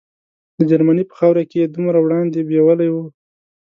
د جرمني په خاوره کې یې دومره وړاندې بیولي وو.